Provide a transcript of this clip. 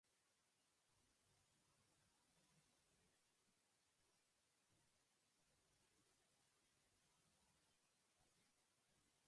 It is one of the older communities in Rancho Santa Margarita.